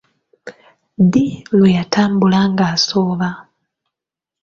Ddi lwe yatambula ng'asooba?